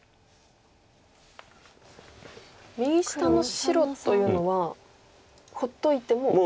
右下の白というのは放っといてもいい？